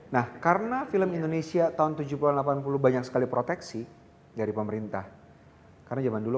nah karena film indonesia tahun tujuh puluh delapan puluh banyak sekali proteksi dari pemerintah karena zaman dulu